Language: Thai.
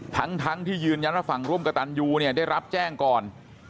ทั้งที่ยืนยันว่าฝั่งร่วมกระตันยูเนี่ยได้รับแจ้งก่อน